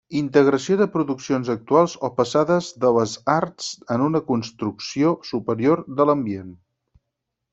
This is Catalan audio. Integració de produccions actuals o passades de les arts en una construcció superior de l'ambient.